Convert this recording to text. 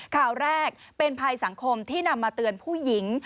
ข่าวแรกเป็นภัยสังคมที่นำมาเตือนผู้หญิง